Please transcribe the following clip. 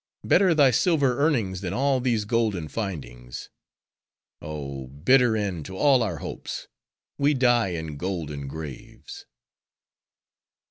—better thy silver earnings than all these golden findings. Oh, bitter end to all our hopes—we die in golden graves."